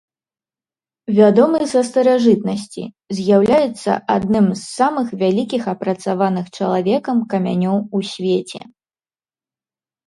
Вядомы са старажытнасці, з'яўляецца адным з самых вялікіх апрацаваных чалавекам камянёў у свеце.